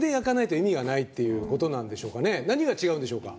何が違うんでしょうか？